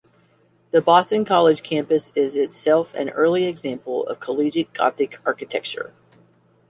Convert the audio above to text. The Boston College campus is itself an early example of Collegiate Gothic architecture.